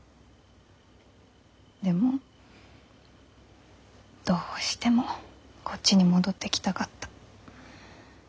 でもどうしてもこっちに戻ってきたかった。